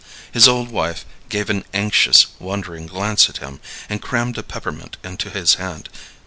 His old wife gave an anxious, wondering glance at him, and crammed a peppermint into his hand.